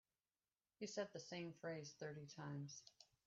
He said the same phrase thirty times.